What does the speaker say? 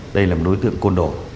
đây là một đối tượng côn đổi